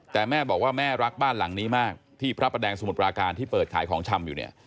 แต่แม่บอกว่าแม่รักบ้านหลังนี้มากที่พระประแดงสมุทรปราการที่เปิดขายของชำอยู่เนี่ย